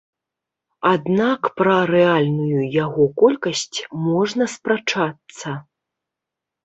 Аднак пра рэальную яго колькасць можна спрачацца.